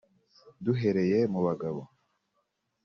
Duhereye mu bagabo